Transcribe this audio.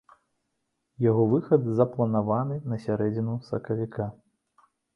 Яго выхад запланаваны на сярэдзіну сакавіка.